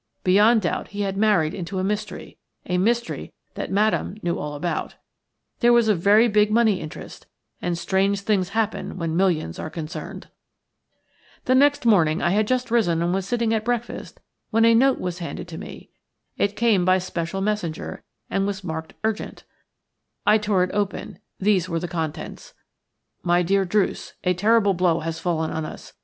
Beyond doubt he had married into a mystery – a mystery that Madame Sara knew all about. There was a very big money interest, and strange things happen when millions are concerned. "SHE BOWED, AND THE PECULIAR LOOK SHE HAD BEFORE GIVEN ME FLASHED OVER HER FACE." The next morning I had just risen and was sitting at breakfast when a note was handed to me. It came by special messenger, and was marked "Urgent". I tore it open. These were its contents:– "MY DEAR DRUCE, – A terrible blow has fallen on us.